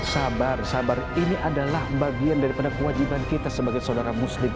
sabar sabar ini adalah bagian daripada kewajiban kita sebagai saudara muslim